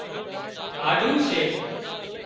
هاڍُو سي